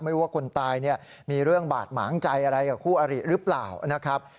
ไม่รู้ว่าคนตายมีเรื่องบาดหมางใจอะไรกับคู่อริรึเปล่า